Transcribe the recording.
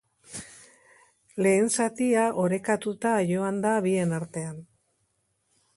Lehen zatia orekatuta joan da bien artean.